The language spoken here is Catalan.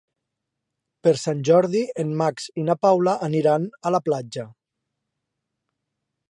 Per Sant Jordi en Max i na Paula aniran a la platja.